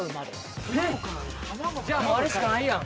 じゃあもうあれしかないやん。